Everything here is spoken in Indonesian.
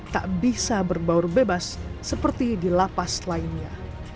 tak bisa berbaur bebas seperti di lapas lainnya